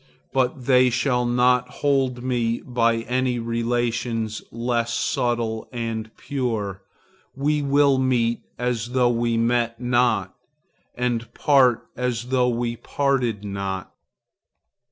But they shall not hold me by any relations less subtile and pure. We will meet as though we met not, and part as though we parted not.